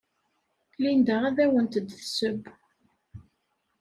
Linda ad awent-d-tesseww.